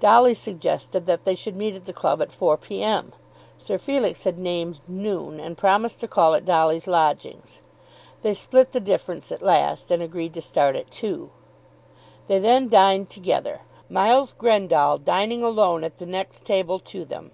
Dolly suggested that they should meet at the club at 4 P.M. Sir Felix had named noon, and promised to call at Dolly's lodgings. They split the difference at last and agreed to start at two. They then dined together, Miles Grendall dining alone at the next table to them.